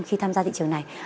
khi tham gia thị trường này